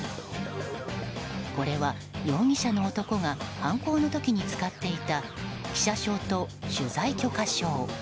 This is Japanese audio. これは容疑者の男が犯行の時に使っていた記者証と取材許可証。